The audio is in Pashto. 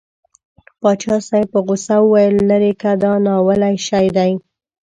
پاچا صاحب په غوسه وویل لېرې که دا ناولی شی دی.